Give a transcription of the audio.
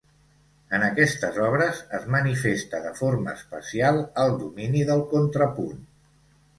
En aquestes obres es manifesta de forma especial el domini del contrapunt.